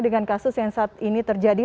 dengan kasus yang saat ini terjadi